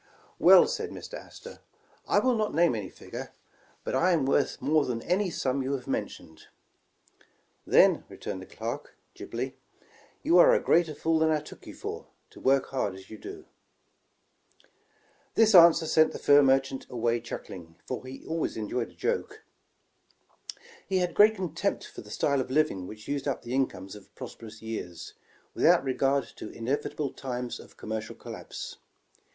'* 'Well,* said Mr. Astor, 'I will not name any fig ure, but I am worth more than any sum you have men tioned. '*Then,' returned the clerk, glibly, 'you are a greater fool than I took you for, to work hard as you do.* *' This answer sent the fur merchant away chuckling, for he always enjoyed a joke. ''He had great contempt for the style of living which used up the incomes of prosperous years, without regard to inevitable times of commercial collapse.